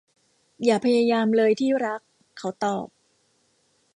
อย่าพยายามเลยที่รัก เขาตอบ